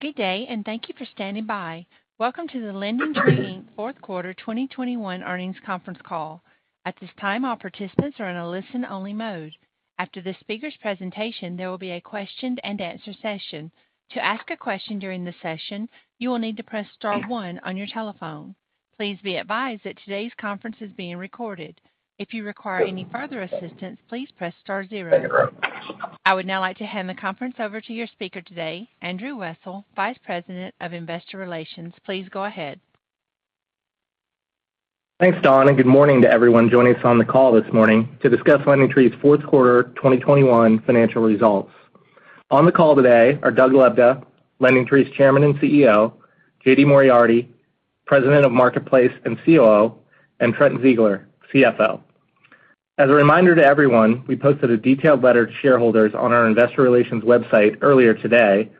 Good day, and thank you for standing by. Welcome to the LendingTree Fourth Quarter 2021 Earnings Conference Call. At this time, all participants are in a listen-only mode. After the speaker's presentation, there will be a question-and-answer session. To ask a question during the session, you will need to press star one on your telephone. Please be advised that today's conference is being recorded. If you require any further assistance, please press star zero. I would now like to hand the conference over to your speaker today, Andrew Wessel, Vice President of Investor Relations. Please go ahead. Thanks, Dawn, and good morning to everyone joining us on the call this morning to discuss LendingTree's fourth quarter 2021 financial results. On the call today are Doug Lebda, LendingTree's Chairman and CEO, J.D. Moriarty, President of Marketplace and COO, and Trent Ziegler, CFO. As a reminder to everyone, we posted a detailed letter to shareholders on our investor relations website earlier today.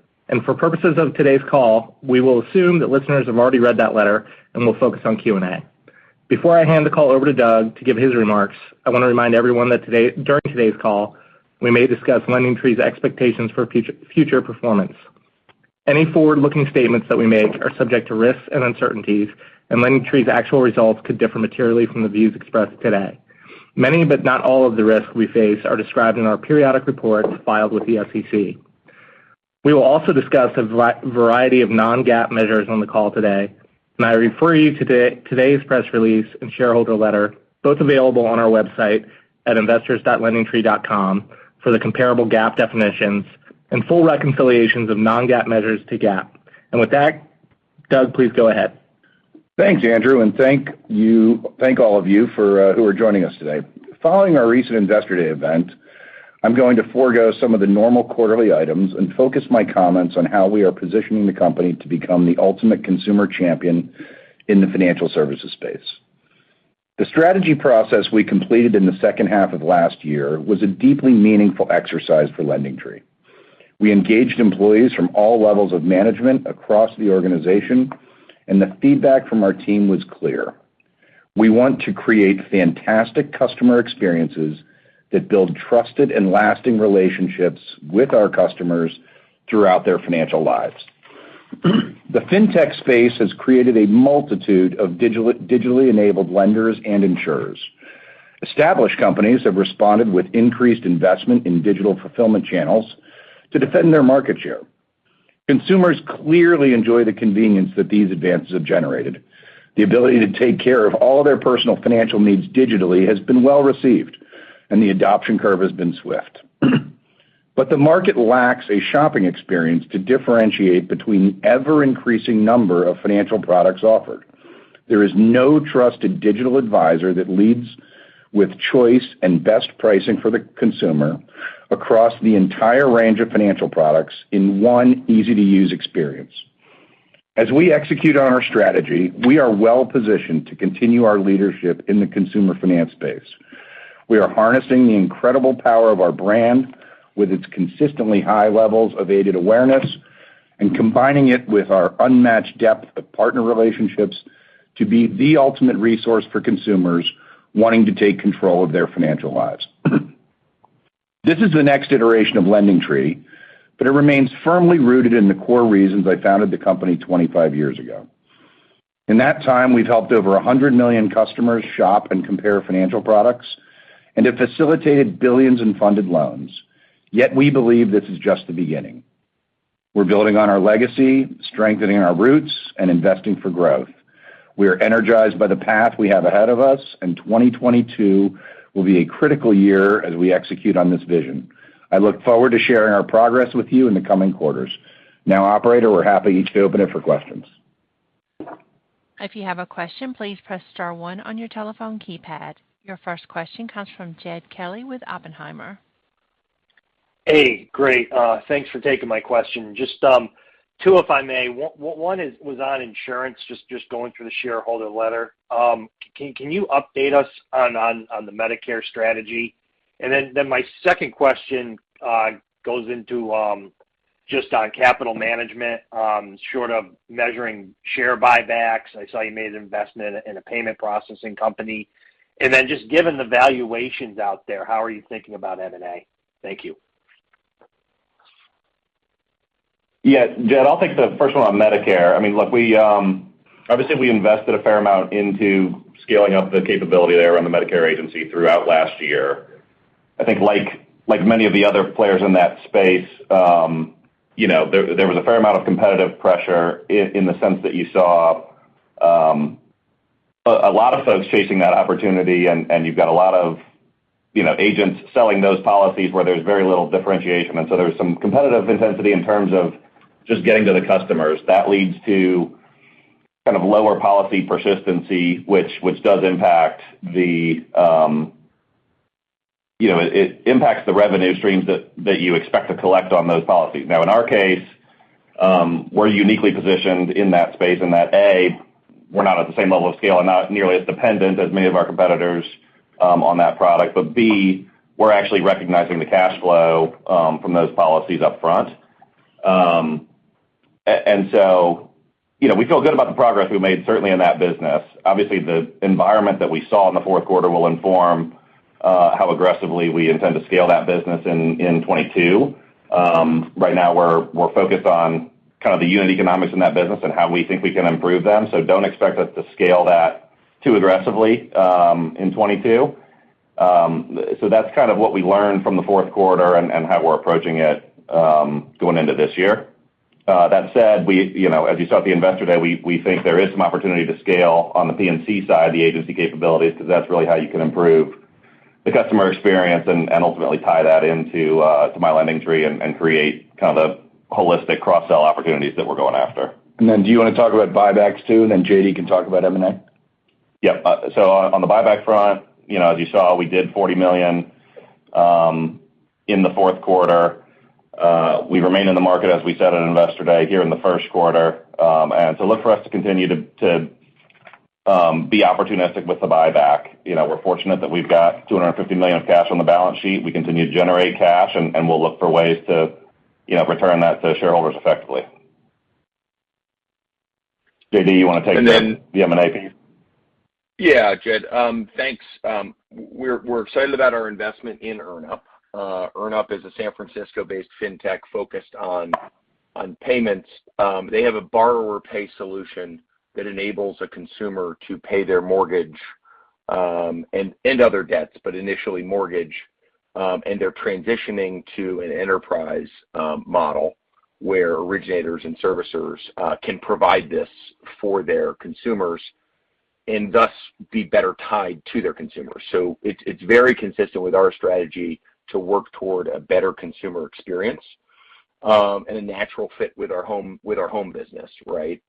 For purposes of today's call, we will assume that listeners have already read that letter, and we'll focus on Q&A. Before I hand the call over to Doug to give his remarks, I wanna remind everyone that today, during today's call, we may discuss LendingTree's expectations for future performance. Any forward-looking statements that we make are subject to risks and uncertainties, and LendingTree's actual results could differ materially from the views expressed today. Many, but not all of the risks we face are described in our periodic reports filed with the SEC. We will also discuss a variety of non-GAAP measures on the call today, and I refer you to today's press release and shareholder letter, both available on our website at investors.lendingtree.com for the comparable GAAP definitions and full reconciliations of non-GAAP measures to GAAP. With that, Doug, please go ahead. Thanks, Andrew, and thank all of you for who are joining us today. Following our recent Investor Day event, I'm going to forgo some of the normal quarterly items and focus my comments on how we are positioning the company to become the ultimate consumer champion in the financial services space. The strategy process we completed in the second half of last year was a deeply meaningful exercise for LendingTree. We engaged employees from all levels of management across the organization, and the feedback from our team was clear. We want to create fantastic customer experiences that build trusted and lasting relationships with our customers throughout their financial lives. The fintech space has created a multitude of digitally enabled lenders and insurers. Established companies have responded with increased investment in digital fulfillment channels to defend their market share. Consumers clearly enjoy the convenience that these advances have generated. The ability to take care of all their personal financial needs digitally has been well received, and the adoption curve has been swift. The market lacks a shopping experience to differentiate between ever-increasing number of financial products offered. There is no trusted digital advisor that leads with choice and best pricing for the consumer across the entire range of financial products in one easy-to-use experience. As we execute on our strategy, we are well-positioned to continue our leadership in the consumer finance space. We are harnessing the incredible power of our brand with its consistently high levels of aided awareness and combining it with our unmatched depth of partner relationships to be the ultimate resource for consumers wanting to take control of their financial lives. This is the next iteration of LendingTree, but it remains firmly rooted in the core reasons I founded the company 25 years ago. In that time, we've helped over 100 million customers shop and compare financial products and have facilitated billions in funded loans. Yet we believe this is just the beginning. We're building on our legacy, strengthening our roots, and investing for growth. We are energized by the path we have ahead of us, and 2022 will be a critical year as we execute on this vision. I look forward to sharing our progress with you in the coming quarters. Now, operator, we're happy to open it for questions. Your first question comes from Jed Kelly with Oppenheimer. Hey, great. Thanks for taking my question. Just two, if I may. One is on Insurance, just going through the shareholder letter. Can you update us on the Medicare strategy? My second question goes into just on capital management, short of mentioning share buybacks. I saw you made an investment in a payment processing company. Just given the valuations out there, how are you thinking about M&A? Thank you. Yeah. Jed, I'll take the first one on Medicare. I mean, look, we obviously invested a fair amount into scaling up the capability there on the Medicare agency throughout last year. I think like many of the other players in that space, you know, there was a fair amount of competitive pressure in the sense that you saw a lot of folks chasing that opportunity, and you've got a lot of, you know, agents selling those policies where there's very little differentiation. There was some competitive intensity in terms of just getting to the customers. That leads to kind of lower policy persistency, which does impact the revenue streams that you expect to collect on those policies. Now in our case, we're uniquely positioned in that space in that, A, we're not at the same level of scale and not nearly as dependent as many of our competitors on that product. B, we're actually recognizing the cash flow from those policies up front, and so, you know, we feel good about the progress we've made certainly in that business. Obviously, the environment that we saw in the fourth quarter will inform how aggressively we intend to scale that business in 2022. Right now we're focused on kind of the unit economics in that business and how we think we can improve them. Don't expect us to scale that too aggressively in 2022. That's kind of what we learned from the fourth quarter and how we're approaching it going into this year. That said, we, you know, as you saw at the Investor Day, we think there is some opportunity to scale on the P&C side, the agency capabilities, because that's really how you can improve the customer experience and ultimately tie that into to My LendingTree and create kind of the holistic cross-sell opportunities that we're going after. Do you wanna talk about buybacks too, and then J.D. can talk about M&A? Yep. On the buyback front, you know, as you saw, we did $40 million in the fourth quarter. We remain in the market, as we said at Investor Day, here in the first quarter. Look for us to continue to be opportunistic with the buyback. You know, we're fortunate that we've got $250 million of cash on the balance sheet. We continue to generate cash, and we'll look for ways to, you know, return that to shareholders effectively. J.D., you wanna take the- And then- The M&A piece? Yeah, Jed. Thanks. We're excited about our investment in EarnUp. EarnUp is a San Francisco-based fintech focused on payments. They have a borrower pay solution that enables a consumer to pay their mortgage and other debts, but initially mortgage. They're transitioning to an enterprise model, where originators and servicers can provide this for their consumers and thus be better tied to their consumers. It's very consistent with our strategy to work toward a better consumer experience and a natural fit with our Home business, right?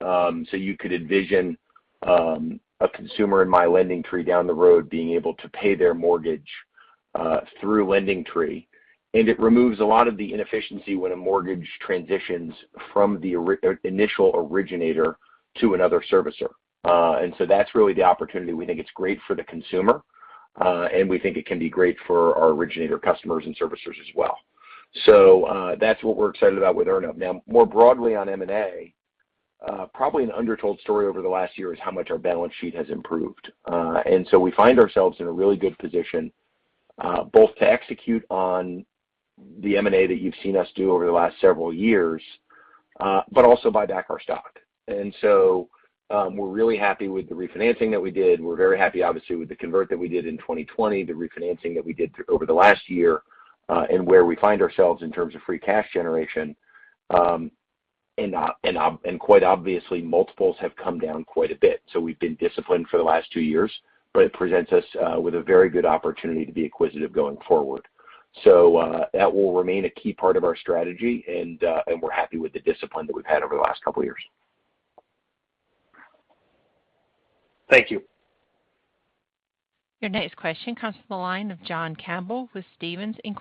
You could envision a consumer in My LendingTree down the road being able to pay their mortgage through LendingTree. It removes a lot of the inefficiency when a mortgage transitions from the initial originator to another servicer. That's really the opportunity. We think it's great for the consumer, and we think it can be great for our originator customers and servicers as well. That's what we're excited about with EarnUp. Now, more broadly on M&A, probably an undertold story over the last year is how much our balance sheet has improved. We find ourselves in a really good position, both to execute on the M&A that you've seen us do over the last several years, but also buy back our stock. We're really happy with the refinancing that we did. We're very happy, obviously, with the convert that we did in 2020, the refinancing that we did over the last year, and where we find ourselves in terms of free cash generation. Quite obviously, multiples have come down quite a bit. We've been disciplined for the last two years, but it presents us with a very good opportunity to be acquisitive going forward. That will remain a key part of our strategy and we're happy with the discipline that we've had over the last couple years. Thank you. Your next question comes from the line of John Campbell with Stephens Inc.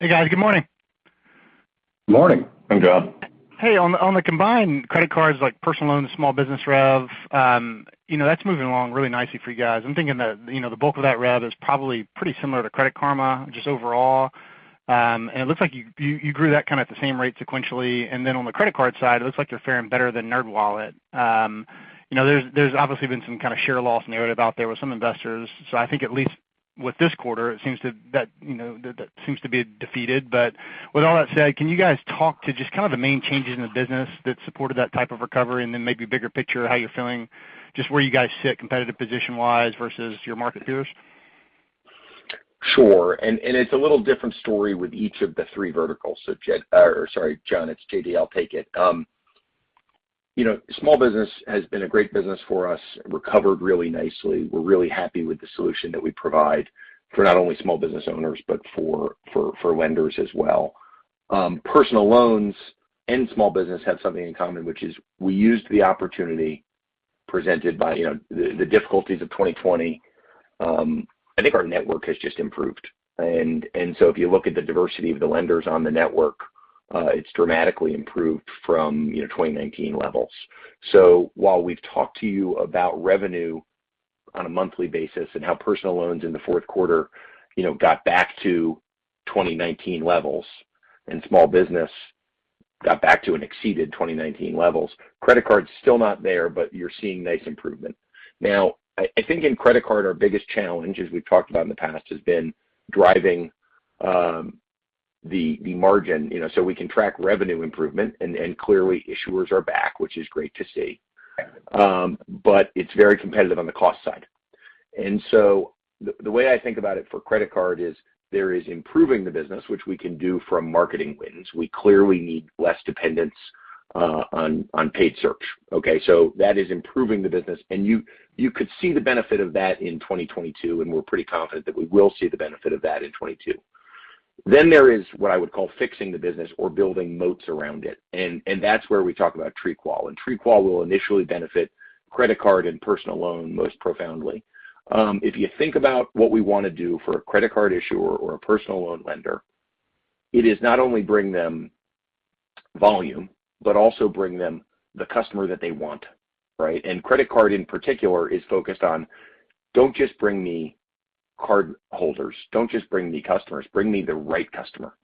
Hey, guys. Good morning. Morning. Hey, John. Hey. On the combined credit cards, like personal loans, small business rev, you know, that's moving along really nicely for you guys. I'm thinking that, you know, the bulk of that rev is probably pretty similar to Credit Karma, just overall. It looks like you grew that kind of at the same rate sequentially. Then on the credit card side, it looks like you're faring better than NerdWallet. You know, there's obviously been some kind of share loss narrative out there with some investors. I think at least with this quarter, it seems that, you know, that seems to be defeated. With all that said, can you guys talk to just kind of the main changes in the business that supported that type of recovery and then maybe bigger picture, how you're feeling, just where you guys sit competitive position-wise versus your market peers? Sure. It's a little different story with each of the three verticals. Jed—or sorry, John, it's J.D., I'll take it. You know, small business has been a great business for us. Recovered really nicely. We're really happy with the solution that we provide for not only small business owners, but for lenders as well. Personal loans and small business have something in common, which is we used the opportunity presented by, you know, the difficulties of 2020. I think our network has just improved. If you look at the diversity of the lenders on the network, it's dramatically improved from, you know, 2019 levels. While we've talked to you about revenue on a monthly basis and how personal loans in the fourth quarter, you know, got back to 2019 levels and small business got back to and exceeded 2019 levels, credit card's still not there, but you're seeing nice improvement. Now, I think in credit card, our biggest challenge, as we've talked about in the past, has been driving the margin. You know, so we can track revenue improvement and clearly issuers are back, which is great to see. But it's very competitive on the cost side. The way I think about it for credit card is there is improving the business, which we can do from marketing wins. We clearly need less dependence on paid search, okay? That is improving the business. You could see the benefit of that in 2022, and we're pretty confident that we will see the benefit of that in 2022. There is what I would call fixing the business or building moats around it. That's where we talk about TreeQual. TreeQual will initially benefit credit card and personal loan most profoundly. If you think about what we wanna do for a credit card issuer or a personal loan lender, it is not only bring them volume, but also bring them the customer that they want, right? Credit card in particular is focused on, don't just bring me card holders. Don't just bring me customers, bring me the right customer.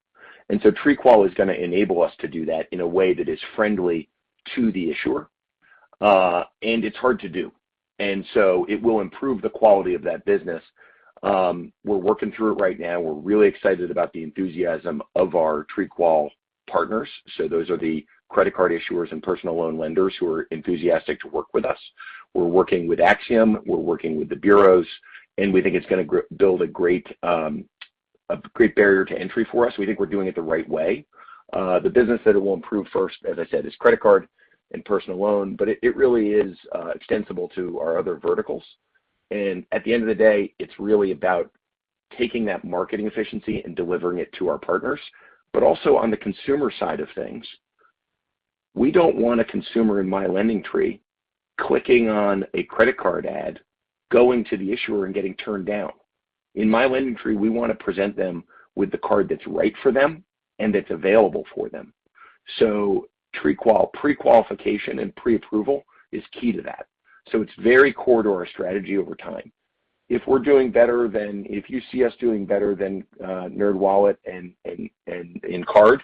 TreeQual is gonna enable us to do that in a way that is friendly to the issuer. It's hard to do. It will improve the quality of that business. We're working through it right now. We're really excited about the enthusiasm of our TreeQual partners. Those are the credit card issuers and personal loan lenders who are enthusiastic to work with us. We're working with Acxiom, we're working with the bureaus, and we think it's gonna build a great barrier to entry for us. We think we're doing it the right way. The business that it will improve first, as I said, is credit card and personal loan, but it really is extensible to our other verticals. At the end of the day, it's really about taking that marketing efficiency and delivering it to our partners. Also on the consumer side of things, we don't want a consumer in My LendingTree clicking on a credit card ad, going to the issuer and getting turned down. In My LendingTree, we wanna present them with the card that's right for them and that's available for them. TreeQual, pre-qualification and pre-approval is key to that. It's very core to our strategy over time. If you see us doing better than NerdWallet and in cards,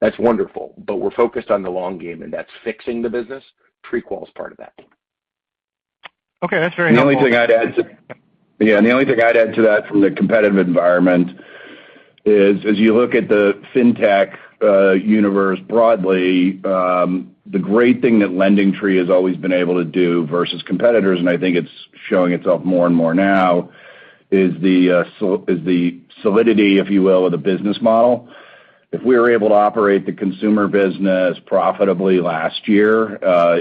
that's wonderful. We're focused on the long game, and that's fixing the business. TreeQual is part of that. Okay. That's very helpful. The only thing I'd add to that from the competitive environment is, as you look at the fintech universe broadly, the great thing that LendingTree has always been able to do versus competitors, and I think it's showing itself more and more now, is the solidity, if you will, of the business model. If we were able to operate the Consumer business profitably last year,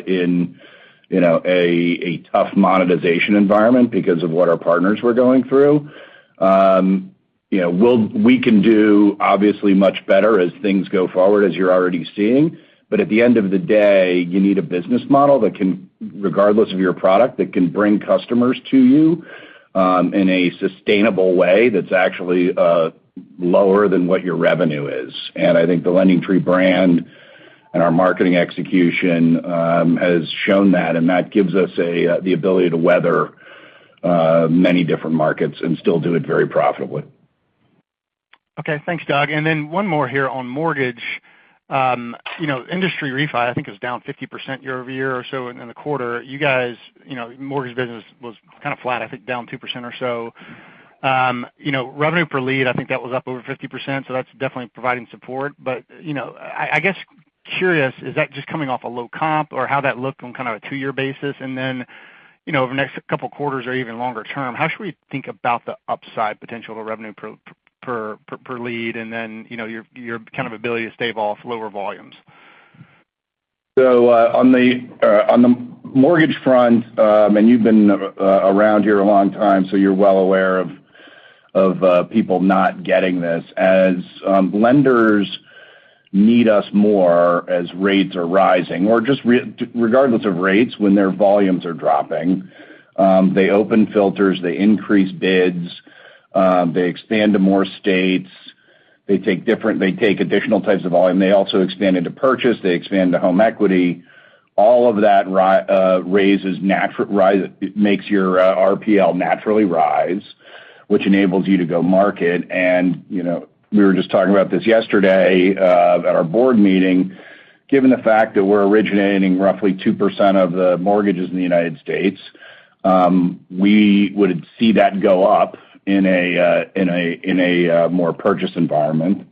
in you know, a tough monetization environment because of what our partners were going through, you know, we can do obviously much better as things go forward, as you're already seeing. At the end of the day, you need a business model that can, regardless of your product, that can bring customers to you, in a sustainable way that's actually lower than what your revenue is. I think the LendingTree brand and our marketing execution has shown that, and that gives us a the ability to weather many different markets and still do it very profitably. Okay. Thanks, Doug. One more here on mortgage. You know, industry refi I think is down 50% year-over-year or so in the quarter. You guys, you know, mortgage business was kind of flat, I think down 2% or so. You know, revenue per lead, I think that was up over 50%, so that's definitely providing support. You know, I'm curious, is that just coming off a low comp or how'd that look on kind of a two-year basis? You know, over the next couple quarters or even longer term, how should we think about the upside potential of revenue per lead and then, you know, your kind of ability to stave off lower volumes? On the mortgage front, and you've been around here a long time, so you're well aware of people not getting this. As lenders need us more as rates are rising or just regardless of rates, when their volumes are dropping, they open filters, they increase bids, they expand to more states. They take additional types of volume. They also expand into purchase. They expand to home equity. All of that raises your RPL naturally rise, which enables you to go market. You know, we were just talking about this yesterday at our board meeting, given the fact that we're originating roughly 2% of the mortgages in the United States, we would see that go up in a more purchase environment.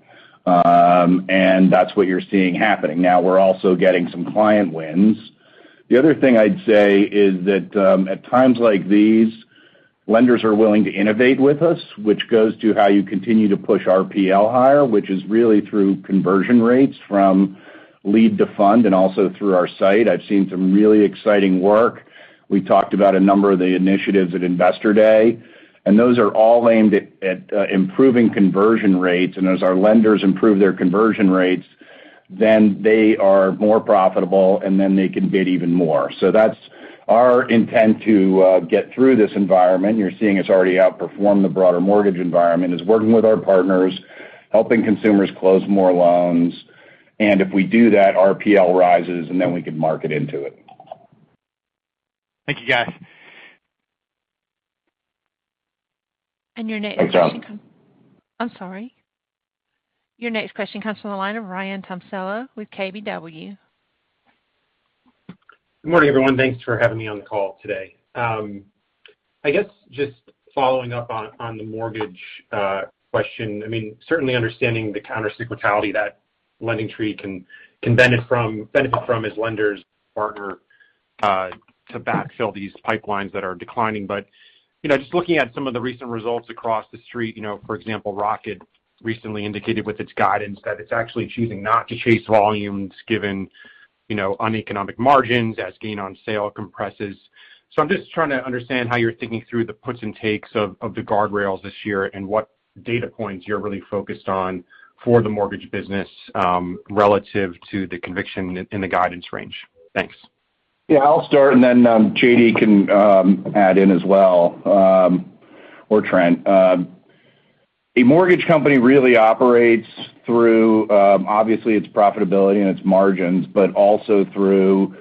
That's what you're seeing happening. Now, we're also getting some client wins. The other thing I'd say is that at times like these, lenders are willing to innovate with us, which goes to how you continue to push RPL higher, which is really through conversion rates from lead to fund and also through our site. I've seen some really exciting work. We talked about a number of the initiatives at Investor Day, and those are all aimed at improving conversion rates. As our lenders improve their conversion rates, then they are more profitable, and then they can bid even more. That's our intent to get through this environment. You're seeing us already outperform the broader mortgage environment. It's working with our partners, helping consumers close more loans. If we do that, RPL rises, and then we can market into it. Thank you, guys. Your next question. Thanks, John. I'm sorry. Your next question comes from the line of Ryan Tomasello with KBW. Good morning, everyone. Thanks for having me on the call today. I guess just following up on the mortgage question, I mean, certainly understanding the counter cyclicality that LendingTree can benefit from as lenders partner to backfill these pipelines that are declining. You know, just looking at some of the recent results across the street, you know, for example, Rocket recently indicated with its guidance that it's actually choosing not to chase volumes given, you know, uneconomic margins as gain on sale compresses. I'm just trying to understand how you're thinking through the puts and takes of the guardrails this year and what data points you're really focused on for the mortgage business, relative to the conviction in the guidance range. Thanks. Yeah. I'll start, and then J.D. can add in as well, or Trent. A mortgage company really operates through obviously its profitability and its margins, but also through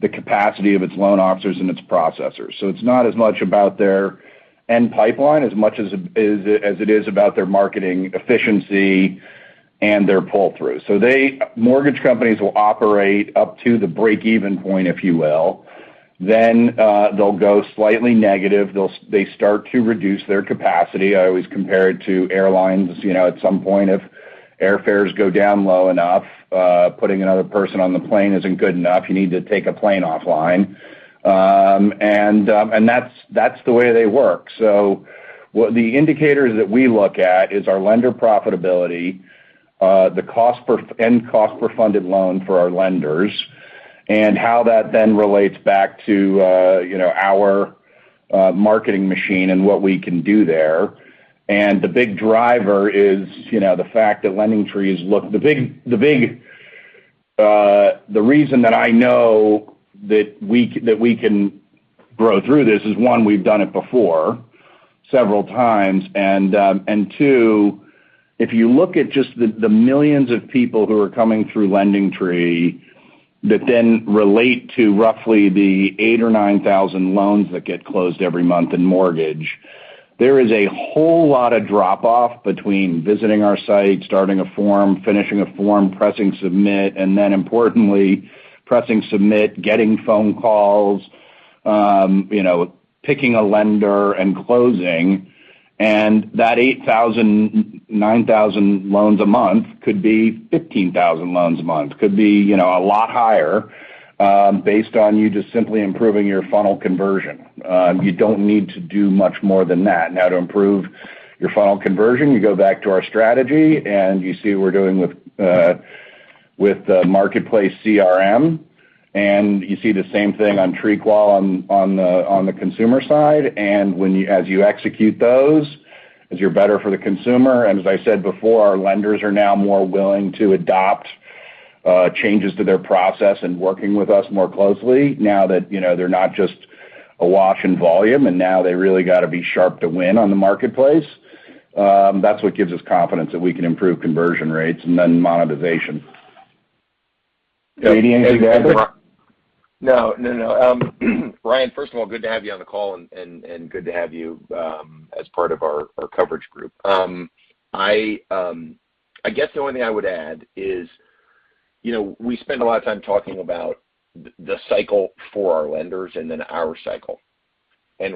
the capacity of its loan officers and its processors. It's not as much about their end pipeline, as much as it is about their marketing efficiency and their pull-through. Mortgage companies will operate up to the break-even point, if you will. They'll go slightly negative. They'll start to reduce their capacity. I always compare it to airlines. You know, at some point, if airfares go down low enough, putting another person on the plane isn't good enough. You need to take a plane offline. That's the way they work. What the indicators that we look at is our lender profitability, the cost per funded loan for our lenders, and how that then relates back to, you know, our marketing machine and what we can do there. The big driver is, you know, the reason that I know that we can grow through this is, one, we've done it before several times. Two, if you look at just the millions of people who are coming through LendingTree that then relate to roughly the 8,000 or 9,000 loans that get closed every month in mortgage, there is a whole lot of drop off between visiting our site, starting a form, finishing a form, pressing submit, and then importantly pressing submit, getting phone calls, you know, picking a lender, and closing. That 8,000 or 9,000 loans a month could be 15,000 loans a month. Could be, you know, a lot higher, based on you just simply improving your funnel conversion. You don't need to do much more than that. Now, to improve your funnel conversion, you go back to our strategy, and you see what we're doing with the Marketplace CRM. You see the same thing on TreeQual on the Consumer side. When you execute those, as you're better for the consumer, and as I said before, our lenders are now more willing to adopt changes to their process in working with us more closely now that, you know, they're not just awash in volume, and now they really gotta be sharp to win on the marketplace. That's what gives us confidence that we can improve conversion rates and then monetization. Anything to add, J.D.? No. Ryan, first of all, good to have you on the call and good to have you as part of our coverage group. I guess the only thing I would add is, you know, we spend a lot of time talking about the cycle for our lenders and then our cycle.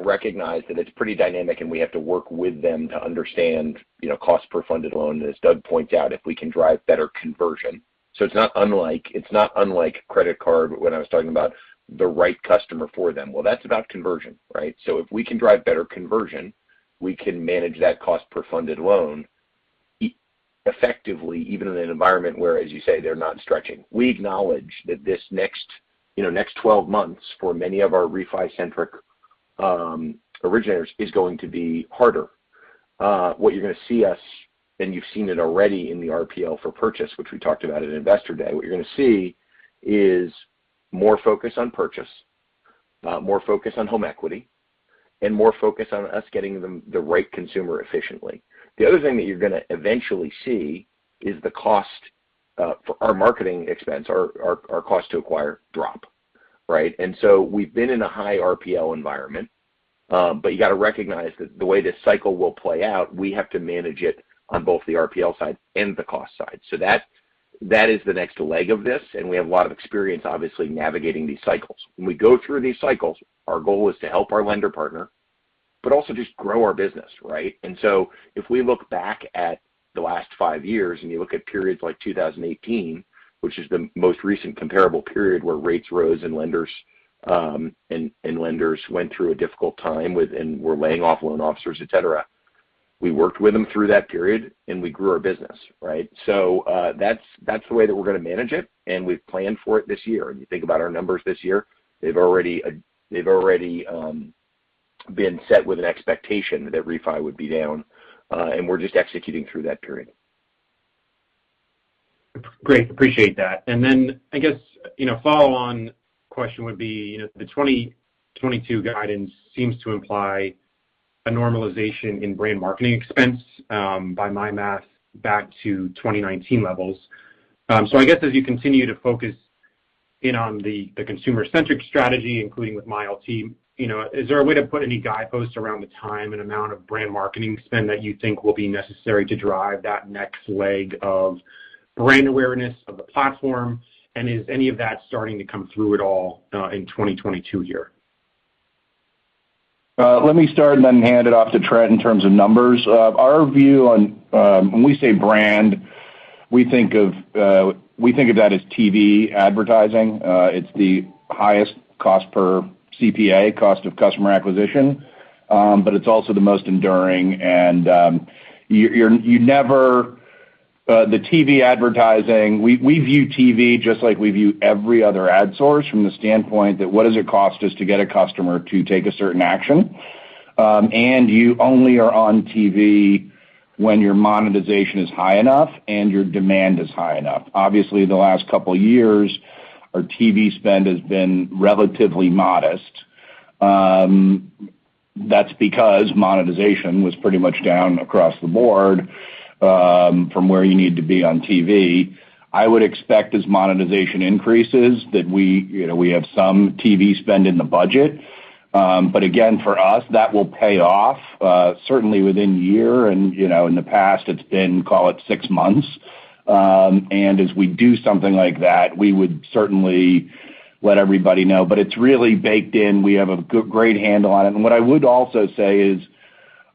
Recognize that it's pretty dynamic, and we have to work with them to understand, you know, cost per funded loan, and as Doug points out, if we can drive better conversion. It's not unlike credit card when I was talking about the right customer for them. Well, that's about conversion, right? If we can drive better conversion, we can manage that cost per funded loan effectively, even in an environment where, as you say, they're not stretching. We acknowledge that, you know, next 12 months for many of our refi-centric originators is going to be harder. What you're gonna see us, and you've seen it already in the RPL for purchase, which we talked about at Investor Day, what you're gonna see is more focus on purchase, more focus on home equity, and more focus on us getting them the right consumer efficiently. The other thing that you're gonna eventually see is the cost for our marketing expense, our cost to acquire drop, right? We've been in a high RPL environment, but you gotta recognize that the way this cycle will play out, we have to manage it on both the RPL side and the cost side. That is the next leg of this, and we have a lot of experience, obviously, navigating these cycles. When we go through these cycles, our goal is to help our lender partner, but also just grow our business, right? If we look back at the last five years, and you look at periods like 2018, which is the most recent comparable period where rates rose and lenders and lenders went through a difficult time and were laying off loan officers, et cetera, we worked with them through that period, and we grew our business, right? That's the way that we're gonna manage it, and we've planned for it this year. When you think about our numbers this year, they've already been set with an expectation that refi would be down, and we're just executing through that period. Great. Appreciate that. I guess, you know, follow-on question would be, you know, the 2022 guidance seems to imply a normalization in brand marketing expense, by my math back to 2019 levels. I guess as you continue to focus in on the consumer-centric strategy, including with MyLT, you know, is there a way to put any guideposts around the time and amount of brand marketing spend that you think will be necessary to drive that next leg of brand awareness of the platform? Is any of that starting to come through at all, in 2022 here? Let me start and then hand it off to Trent in terms of numbers. Our view on when we say brand, we think of that as TV advertising. It's the highest cost per CPA, cost of customer acquisition, but it's also the most enduring. The TV advertising, we view TV just like we view every other ad source from the standpoint that what does it cost us to get a customer to take a certain action? You only are on TV when your monetization is high enough and your demand is high enough. Obviously, the last couple years, our TV spend has been relatively modest. That's because monetization was pretty much down across the board from where you need to be on TV. I would expect as monetization increases that we, you know, we have some TV spend in the budget. Again, for us, that will pay off, certainly within year. You know, in the past, it's been, call it, six months. As we do something like that, we would certainly let everybody know. It's really baked in. We have a great handle on it. What I would also say is,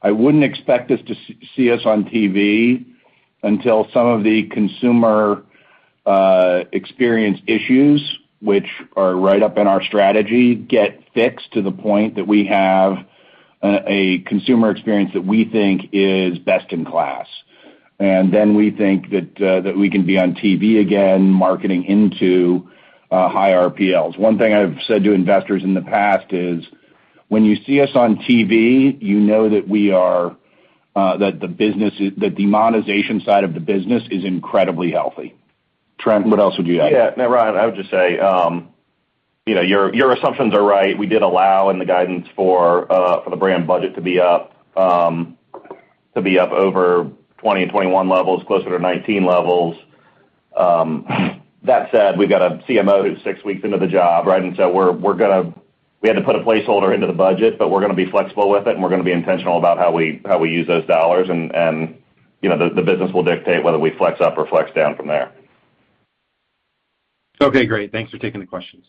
I wouldn't expect to see us on TV until some of the consumer experience issues, which are right up in our strategy, get fixed to the point that we have a consumer experience that we think is best in class. Then we think that we can be on TV again, marketing into high RPLs. One thing I've said to investors in the past is, when you see us on TV, you know that we are, that the monetization side of the business is incredibly healthy. Trent, what else would you add? Yeah. No, Ryan, I would just say, you know, your assumptions are right. We did allow in the guidance for the brand budget to be up over 2020 and 2021 levels, closer to 2019 levels. That said, we've got a CMO who's six weeks into the job, right? We had to put a placeholder into the budget, but we're gonna be flexible with it, and we're gonna be intentional about how we use those dollars and, you know, the business will dictate whether we flex up or flex down from there. Okay, great. Thanks for taking the questions.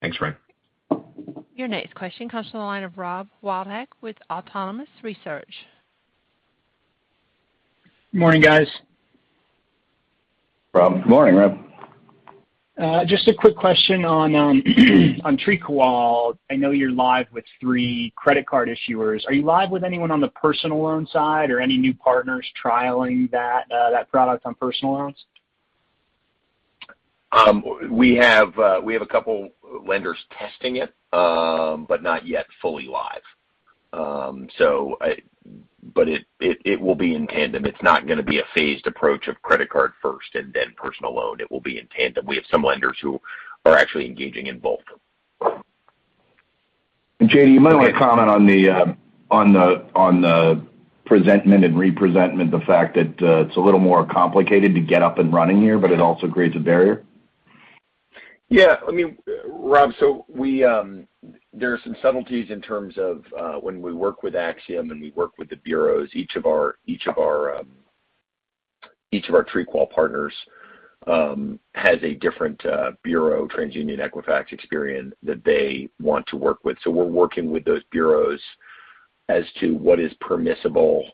Thanks, Ryan. Your next question comes from the line of Rob Wildhack with Autonomous Research. Morning, guys. Rob. Good morning, Rob. Just a quick question on TreeQual. I know you're live with three credit card issuers. Are you live with anyone on the personal loan side or any new partners trialing that product on personal loans? We have a couple lenders testing it, but not yet fully live. It will be in tandem. It's not gonna be a phased approach of credit card first and then personal loan. It will be in tandem. We have some lenders who are actually engaging in both of them. J.D., you might want to comment on the presentment and representment, the fact that it's a little more complicated to get up and running here, but it also creates a barrier. Yeah. I mean, Rob, there are some subtleties in terms of when we work with Acxiom and we work with the bureaus. Each of our TreeQual partners has a different bureau, TransUnion, Equifax, Experian, that they want to work with. We're working with those bureaus as to what is permissible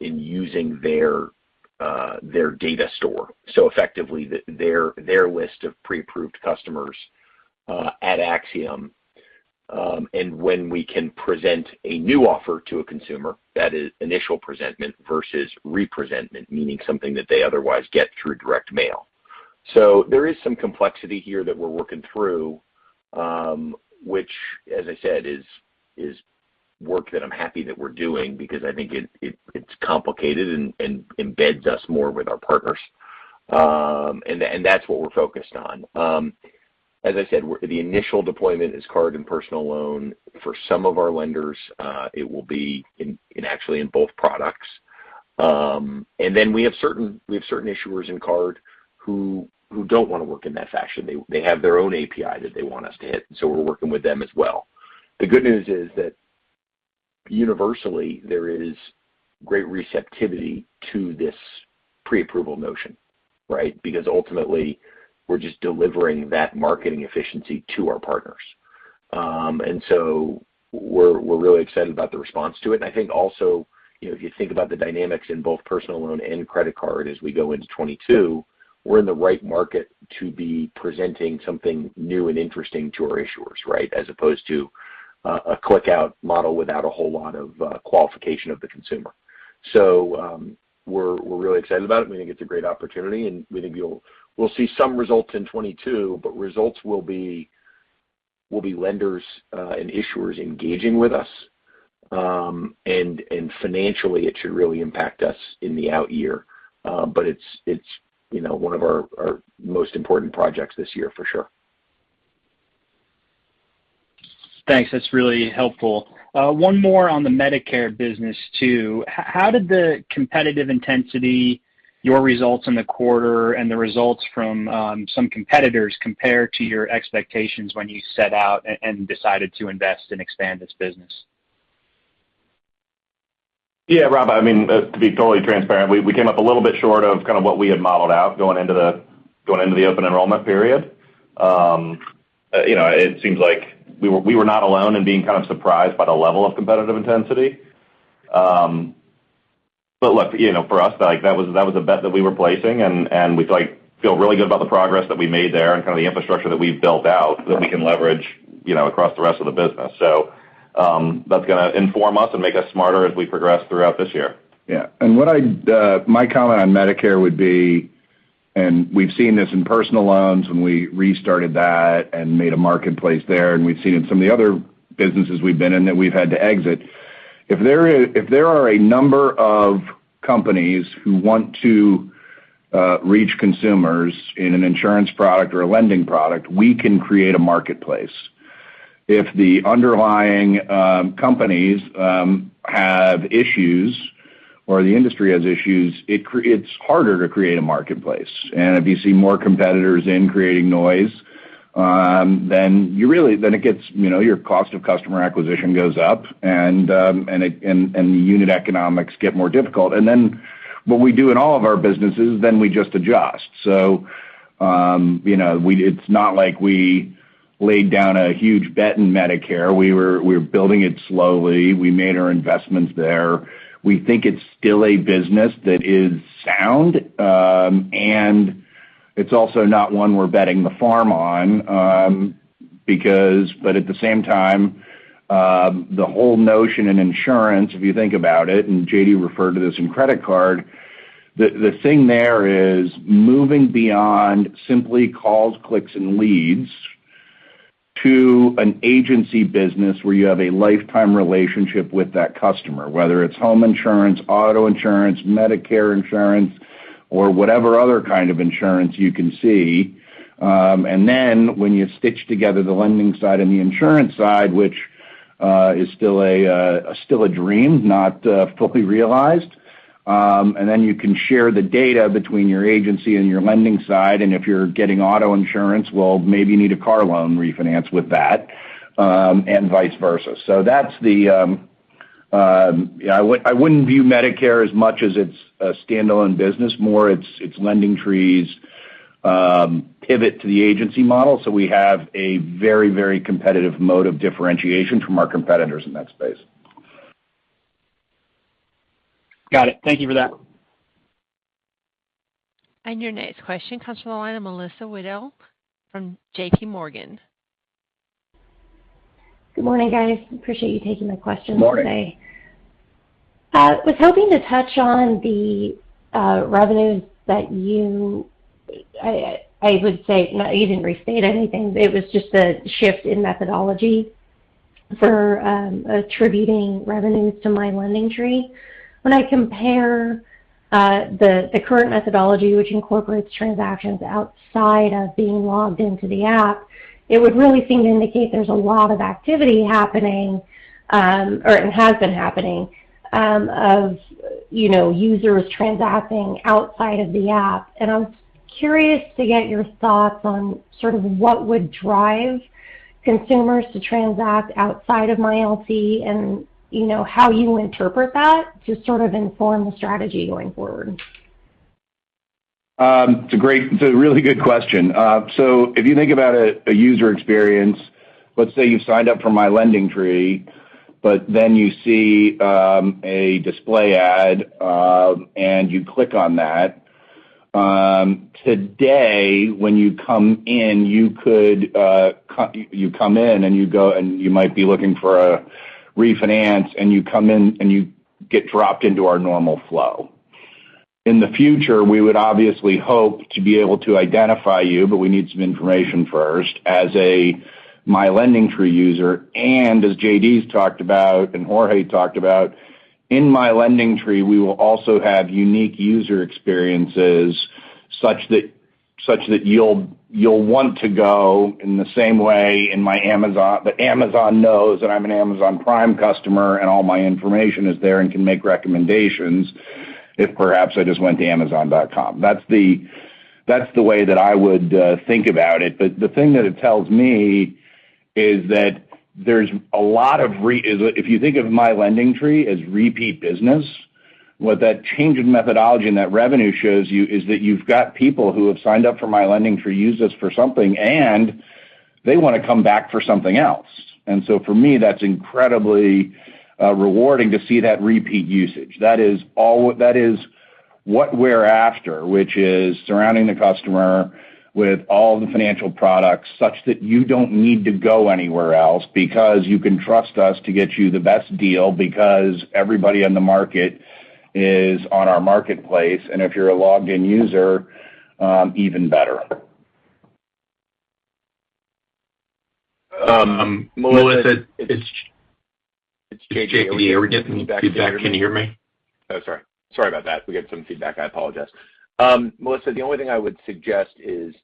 in using their data store, so effectively their list of pre-approved customers at Acxiom. When we can present a new offer to a consumer, that is initial presentment versus representment, meaning something that they otherwise get through direct mail. There is some complexity here that we're working through, which as I said is work that I'm happy that we're doing because I think it's complicated and embeds us more with our partners. That's what we're focused on. As I said, the initial deployment is card and personal loan. For some of our lenders, it will be in, actually, in both products. We have certain issuers in card who don't wanna work in that fashion. They have their own API that they want us to hit, and so we're working with them as well. The good news is that universally, there is great receptivity to this pre-approval notion, right? Because ultimately, we're just delivering that marketing efficiency to our partners. We're really excited about the response to it. I think also, you know, if you think about the dynamics in both personal loan and credit card as we go into 2022, we're in the right market to be presenting something new and interesting to our issuers, right? As opposed to a click-out model without a whole lot of qualification of the consumer. We're really excited about it. We think it's a great opportunity, and we think we'll see some results in 2022, but results will be lenders and issuers engaging with us. Financially, it should really impact us in the out year. It's, you know, one of our most important projects this year, for sure. Thanks. That's really helpful. One more on the Medicare business too. How did the competitive intensity, your results in the quarter, and the results from some competitors compare to your expectations when you set out and decided to invest and expand this business? Yeah, Rob, I mean, to be totally transparent, we came up a little bit short of kind of what we had modeled out going into the open enrollment period. You know, it seems like we were not alone in being kind of surprised by the level of competitive intensity. But look, you know, for us, like that was a bet that we were placing, and we feel really good about the progress that we made there and kind of the infrastructure that we've built out that we can leverage, you know, across the rest of the business. That's gonna inform us and make us smarter as we progress throughout this year. Yeah. What I'd my comment on Medicare would be, we've seen this in personal loans when we restarted that and made a marketplace there, and we've seen it in some of the other businesses we've been in that we've had to exit. If there are a number of companies who want to reach consumers in an insurance product or a lending product, we can create a marketplace. If the underlying companies have issues or the industry has issues, it's harder to create a marketplace. If you see more competitors in creating noise, then it gets, you know, your cost of customer acquisition goes up and the unit economics get more difficult. What we do in all of our businesses, we just adjust. You know, it's not like we laid down a huge bet in Medicare. We're building it slowly. We made our investments there. We think it's still a business that is sound, and it's also not one we're betting the farm on. At the same time, the whole notion in Insurance, if you think about it, and J.D. referred to this in credit card, the thing there is moving beyond simply calls, clicks, and leads to an agency business where you have a lifetime relationship with that customer, whether it's home insurance, auto insurance, Medicare insurance, or whatever other kind of insurance you can see. When you stitch together the lending side and the insurance side, which is still a dream not fully realized, and then you can share the data between your agency and your lending side. If you're getting auto insurance, well, maybe you need a car loan refinance with that, and vice versa. I wouldn't view Medicare as much as it's a standalone business. More, it's LendingTree's pivot to the agency model. We have a very, very competitive moat of differentiation from our competitors in that space. Got it. Thank you for that. Your next question comes from the line of Melissa Wedel from JPMorgan. Good morning, guys. Appreciate you taking my question today. Good morning. Was hoping to touch on the revenues that you I would say you didn't restate anything. It was just a shift in methodology for attributing revenues to My LendingTree. When I compare the current methodology, which incorporates transactions outside of being logged into the app, it would really seem to indicate there's a lot of activity happening or has been happening of you know users transacting outside of the app. I'm curious to get your thoughts on sort of what would drive consumers to transact outside of MyLT and you know how you interpret that to sort of inform the strategy going forward. It's a really good question. If you think about a user experience, let's say you signed up for My LendingTree, but then you see a display ad and you click on that. Today, when you come in, you come in and you go and you might be looking for a refinance, and you come in and you get dropped into our normal flow. In the future, we would obviously hope to be able to identify you, but we need some information first as a My LendingTree user. As J.D.'s talked about and Jorge talked about, in My LendingTree, we will also have unique user experiences such that you'll want to go in the same way in my Amazon, that Amazon knows that I'm an Amazon Prime customer and all my information is there and can make recommendations, if perhaps I just went to amazon.com. That's the way that I would think about it. But the thing that it tells me is that there's a lot of. If you think of My LendingTree as repeat business, what that change in methodology and that revenue shows you is that you've got people who have signed up for My LendingTree, used us for something, and they wanna come back for something else. For me, that's incredibly rewarding to see that repeat usage. That is what we're after, which is surrounding the customer with all the financial products such that you don't need to go anywhere else because you can trust us to get you the best deal because everybody on the market is on our marketplace, and if you're a logged in user, even better. Melissa, it's J.D. Are we getting any feedback? Can you hear me? Oh, sorry. Sorry about that. We got some feedback. I apologize. Melissa, the only thing I would suggest is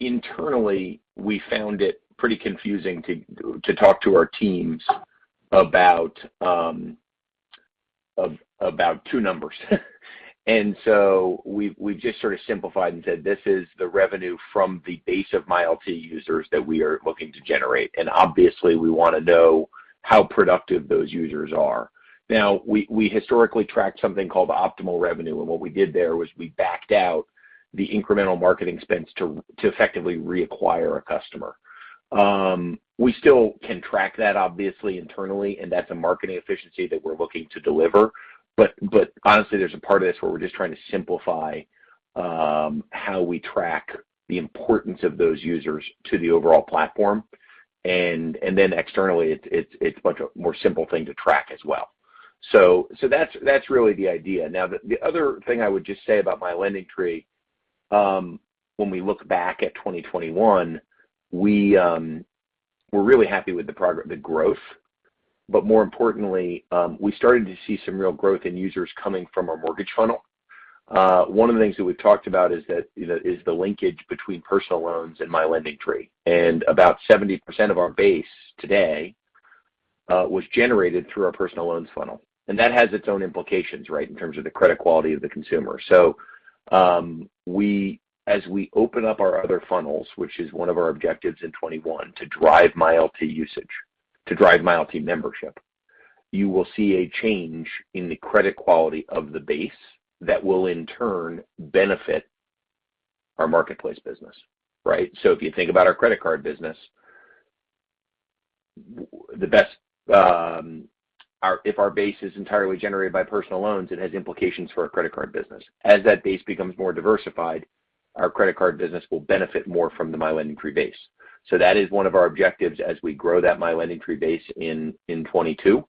internally we found it pretty confusing to talk to our teams about two numbers. We just sort of simplified and said this is the revenue from the base of MyLT users that we are looking to generate, and obviously we wanna know how productive those users are. Now, we historically track something called optimal revenue, and what we did there was we backed out the incremental marketing spends to effectively reacquire a customer. We still can track that obviously internally, and that's a marketing efficiency that we're looking to deliver. honestly, there's a part of this where we're just trying to simplify how we track the importance of those users to the overall platform. And then externally it's much more simple thing to track as well. So that's really the idea. Now, the other thing I would just say about My LendingTree, when we look back at 2021, we're really happy with the growth. But more importantly, we started to see some real growth in users coming from our mortgage funnel. One of the things that we've talked about is that, you know, the linkage between personal loans and My LendingTree. And about 70% of our base today was generated through our personal loans funnel. That has its own implications, right, in terms of the credit quality of the consumer. As we open up our other funnels, which is one of our objectives in 2021, to drive MyLT usage, to drive MyLT membership, you will see a change in the credit quality of the base that will in turn benefit our marketplace business, right? If you think about our credit card business, if our base is entirely generated by personal loans, it has implications for our credit card business. As that base becomes more diversified, our credit card business will benefit more from the My LendingTree base. That is one of our objectives as we grow that My LendingTree base in 2022,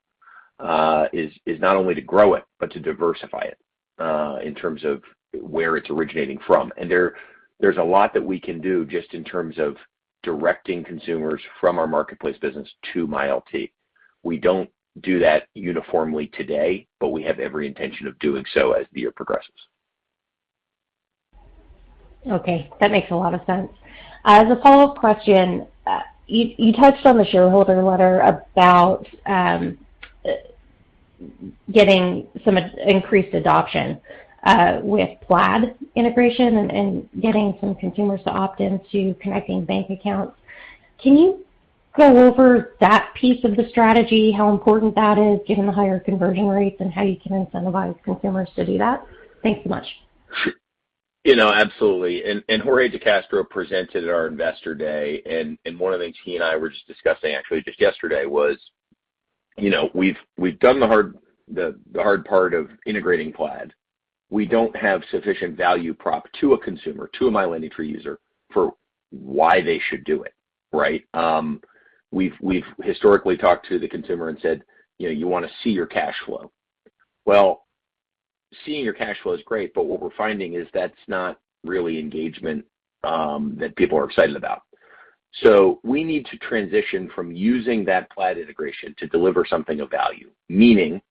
not only to grow it, but to diversify it in terms of where it's originating from. There, there's a lot that we can do just in terms of directing consumers from our marketplace business to MyLT. We don't do that uniformly today, but we have every intention of doing so as the year progresses. Okay. That makes a lot of sense. As a follow-up question, you touched on the shareholder letter about getting some increased adoption with Plaid integration and getting some consumers to opt in to connecting bank accounts. Can you go over that piece of the strategy, how important that is, given the higher conversion rates, and how you can incentivize consumers to do that? Thanks so much. Sure. You know, absolutely. Jorge de Castro presented at our Investor Day, one of the things he and I were just discussing actually just yesterday was, you know, we've done the hard part of integrating Plaid. We don't have sufficient value prop to a consumer, to a My LendingTree user for why they should do it, right? We've historically talked to the consumer and said, you know, "You wanna see your cash flow." Well, seeing your cash flow is great, but what we're finding is that's not really engagement that people are excited about. We need to transition from using that Plaid integration to deliver something of value, meaning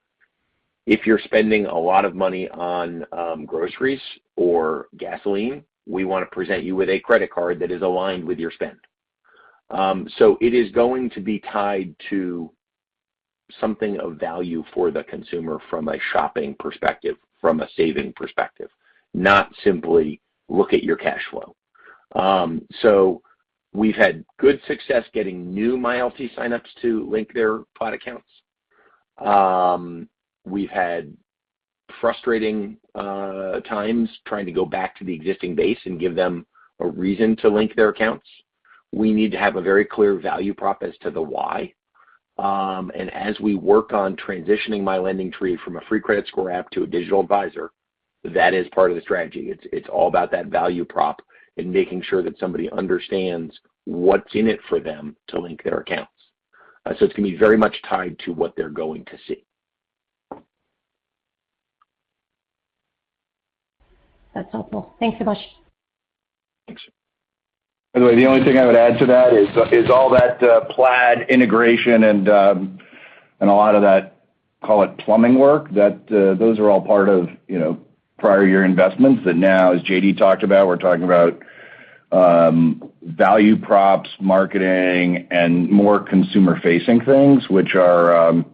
if you're spending a lot of money on groceries or gasoline, we wanna present you with a credit card that is aligned with your spend. It is going to be tied to something of value for the consumer from a shopping perspective, from a saving perspective, not simply look at your cash flow. We've had good success getting new MyLT signups to link their Plaid accounts. We've had frustrating times trying to go back to the existing base and give them a reason to link their accounts. We need to have a very clear value prop as to the why. As we work on transitioning My LendingTree from a free credit score app to a digital advisor, that is part of the strategy. It's all about that value prop and making sure that somebody understands what's in it for them to link their accounts. It's gonna be very much tied to what they're going to see. That's helpful. Thanks so much. Thanks. By the way, the only thing I would add to that is all that Plaid integration and a lot of that, call it plumbing work, that those are all part of, you know, prior year investments that now, as J.D. talked about, we're talking about value props, marketing, and more consumer-facing things, which you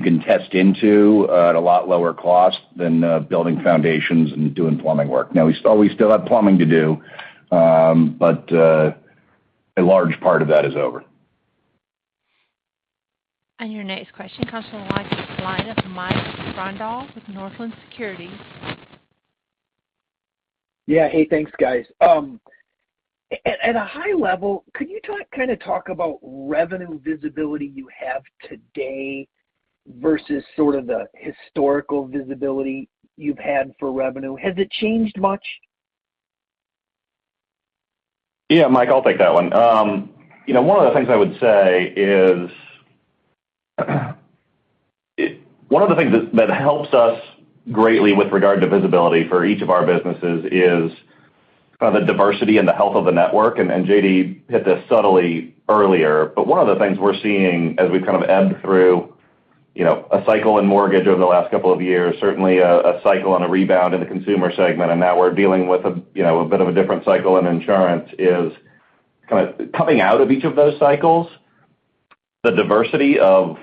can test into at a lot lower cost than building foundations and doing plumbing work. Now we still have plumbing to do, but a large part of that is over. Your next question comes from the line of Mike Grondahl with Northland Securities. Yeah. Hey, thanks, guys. At a high level, could you kinda talk about revenue visibility you have today versus sort of the historical visibility you've had for revenue? Has it changed much? Yeah, Mike, I'll take that one. You know, one of the things that helps us greatly with regard to visibility for each of our businesses is kind of the diversity and the health of the network. J.D. hit this subtly earlier. One of the things we're seeing as we kind of ebb through, you know, a cycle in mortgage over the last couple of years, certainly a cycle and a rebound in the Consumer segment, and now we're dealing with a, you know, a bit of a different cycle in insurance, is kind of coming out of each of those cycles, the diversity of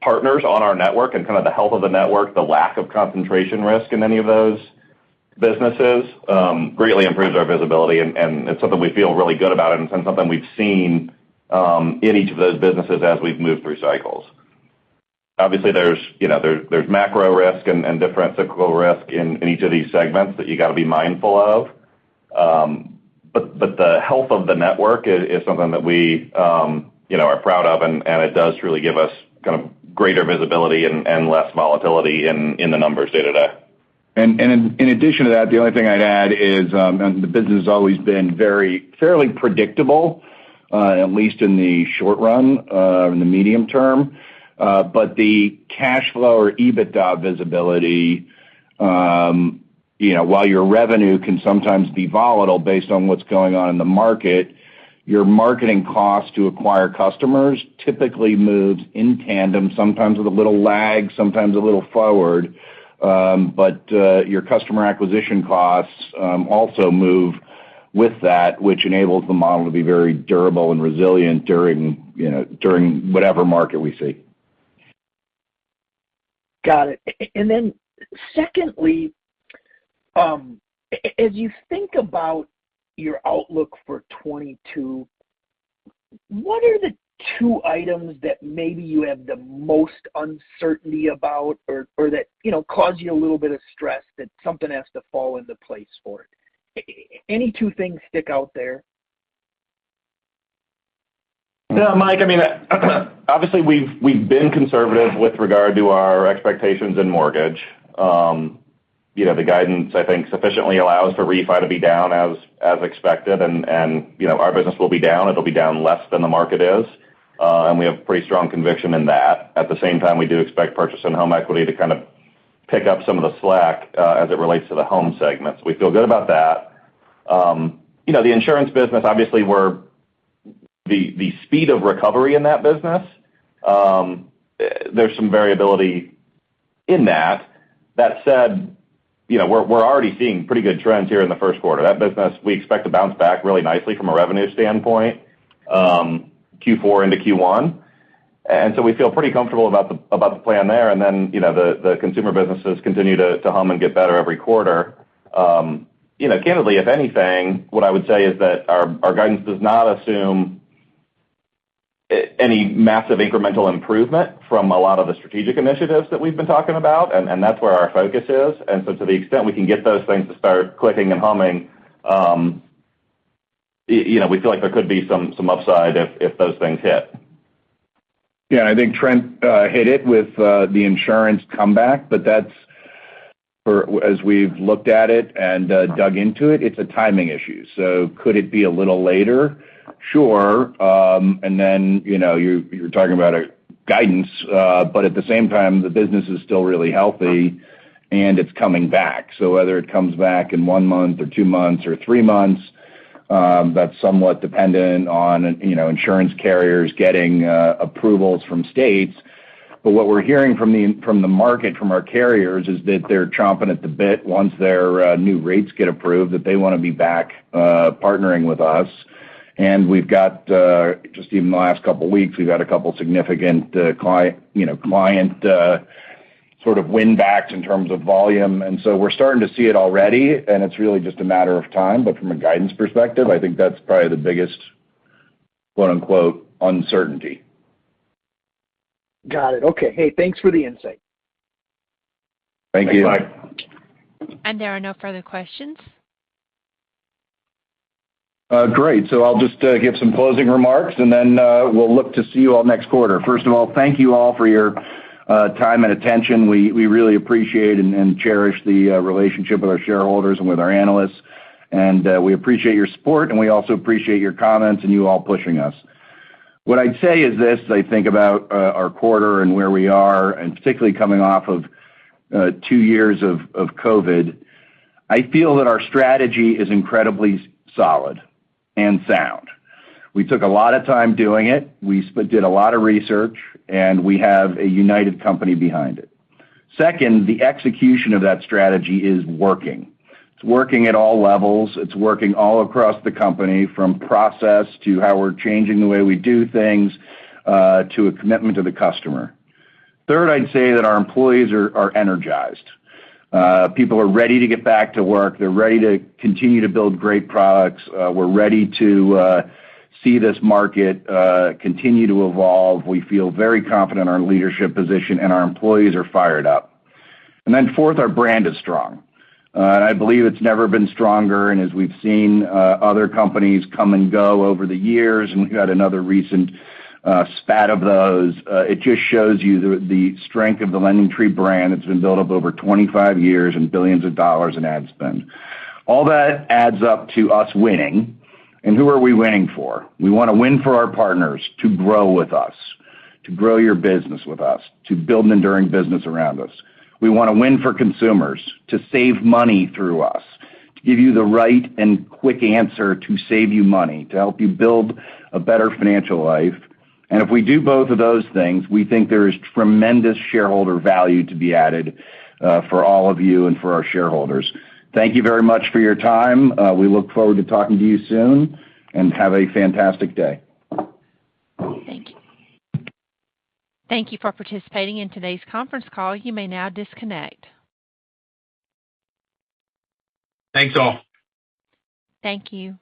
partners on our network and kind of the health of the network, the lack of concentration risk in any of those businesses greatly improves our visibility, and it's something we feel really good about and something we've seen in each of those businesses as we've moved through cycles. Obviously, there's, you know, macro risk and different cyclical risk in each of these segments that you gotta be mindful of. The health of the network is something that we, you know, are proud of, and it does really give us kind of greater visibility and less volatility in the numbers day to day. In addition to that, the only thing I'd add is, the business has always been very fairly predictable, at least in the short run, in the medium term. But the cash flow or EBITDA visibility, you know, while your revenue can sometimes be volatile based on what's going on in the market, your marketing costs to acquire customers typically moves in tandem, sometimes with a little lag, sometimes a little forward. Your customer acquisition costs also move with that, which enables the model to be very durable and resilient during, you know, during whatever market we see. Got it. Secondly, as you think about your outlook for 2022, what are the two items that maybe you have the most uncertainty about or that, you know, cause you a little bit of stress that something has to fall into place for it? Any two things stick out there? No, Mike, I mean, obviously, we've been conservative with regard to our expectations in mortgage. You know, the guidance, I think, sufficiently allows for refi to be down as expected. You know, our business will be down, it'll be down less than the market is. We have pretty strong conviction in that. At the same time, we do expect purchase and home equity to kind of pick up some of the slack as it relates to the Home segment. We feel good about that. You know, the Insurance business obviously where the speed of recovery in that business. There's some variability in that. That said, you know, we're already seeing pretty good trends here in the first quarter. That business we expect to bounce back really nicely from a revenue standpoint, Q4 into Q1. We feel pretty comfortable about the plan there. Then, you know, the consumer businesses continue to hum and get better every quarter. You know, candidly, if anything, what I would say is that our guidance does not assume any massive incremental improvement from a lot of the strategic initiatives that we've been talking about, and that's where our focus is. To the extent we can get those things to start clicking and humming, you know, we feel like there could be some upside if those things hit. Yeah. I think Trent hit it with the insurance comeback, but that's, as we've looked at it and dug into it's a timing issue. Could it be a little later? Sure. You know, you're talking about guidance, but at the same time, the business is still really healthy, and it's coming back. Whether it comes back in one month or two months or three months, that's somewhat dependent on, you know, insurance carriers getting approvals from states. But what we're hearing from the market, from our carriers, is that they're chomping at the bit once their new rates get approved, that they wanna be back partnering with us. We've got just even the last couple weeks, we've had a couple of significant client, you know, sort of win backs in terms of volume, and so we're starting to see it already, and it's really just a matter of time. But from a guidance perspective, I think that's probably the biggest quote-unquote, "uncertainty. Got it. Okay. Hey, thanks for the insight. Thank you. Thanks, Mike. There are no further questions. Great. I'll just give some closing remarks, and then we'll look to see you all next quarter. First of all, thank you all for your time and attention. We really appreciate and cherish the relationship with our shareholders and with our analysts. We appreciate your support, and we also appreciate your comments and you all pushing us. What I'd say is this as I think about our quarter and where we are, and particularly coming off of two years of COVID, I feel that our strategy is incredibly solid and sound. We took a lot of time doing it, we did a lot of research, and we have a united company behind it. Second, the execution of that strategy is working. It's working at all levels. It's working all across the company, from process to how we're changing the way we do things, to a commitment to the customer. Third, I'd say that our employees are energized. People are ready to get back to work. They're ready to continue to build great products. We're ready to see this market continue to evolve. We feel very confident in our leadership position, and our employees are fired up. Fourth, our brand is strong. I believe it's never been stronger. As we've seen, other companies come and go over the years, and we've had another recent spate of those, it just shows you the strength of the LendingTree brand that's been built up over 25 years and billions of dollars in ad spend. All that adds up to us winning. Who are we winning for? We wanna win for our partners to grow with us, to grow your business with us, to build an enduring business around us. We wanna win for consumers to save money through us, to give you the right and quick answer to save you money, to help you build a better financial life. If we do both of those things, we think there is tremendous shareholder value to be added, for all of you and for our shareholders. Thank you very much for your time. We look forward to talking to you soon, and have a fantastic day. Thank you for participating in today's conference call. You may now disconnect. Thanks, all. Thank you. Thank you.